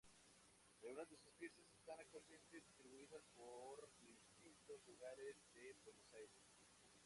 Algunas de sus piezas están actualmente distribuidas por distintos lugares de Buenos Aires.